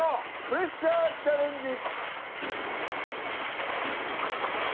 プレッシャーチャレンジ。